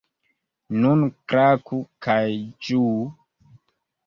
Nun klaku kaj ĝuu!